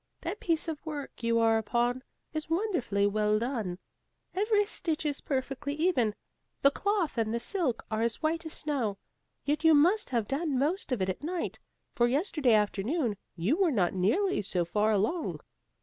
That piece of work you are upon, is wonderfully well done; every stitch is perfectly even, the cloth and the silk are as white as snow; yet you must have done most of it at night, for yesterday afternoon you were not nearly so far along.